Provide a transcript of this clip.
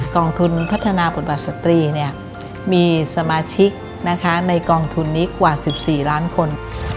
กองทุนพัฒนาบทบาทสตรีมีสมาชิกในกองทุนนี้กว่า๑๔ล้านคน